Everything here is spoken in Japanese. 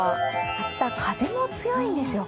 明日風も強いんですよ。